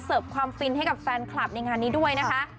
ความฟินให้กับแฟนคลับในงานนี้ด้วยนะคะ